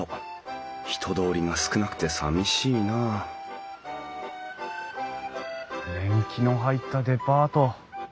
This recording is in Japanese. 人通りが少なくてさみしいなあ年季の入ったデパート。